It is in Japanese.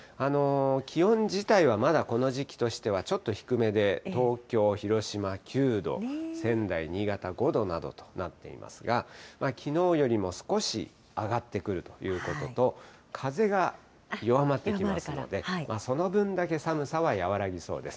気温自体はまだこの時期としてはちょっと低めで、東京、広島９度、仙台、新潟５度などとなっていますが、きのうよりも少し上がってくるということと、風が弱まってきますので、その分だけ寒さは和らぎそうです。